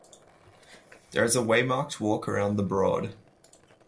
There is a waymarked walk around the broad.